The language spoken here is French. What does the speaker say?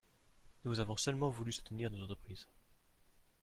Nous avons seulement voulu soutenir nos entreprises